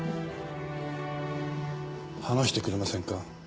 話してくれませんか？